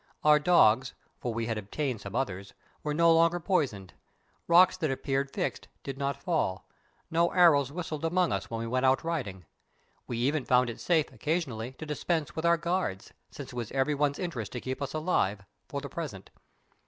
Our dogs, for we had obtained some others, were no longer poisoned; rocks that appeared fixed did not fall; no arrows whistled among us when we went out riding. We even found it safe occasionally to dispense with our guards, since it was every one's interest to keep us alive—for the present.